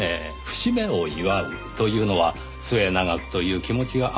節目を祝うというのは末永くという気持ちがあっての事。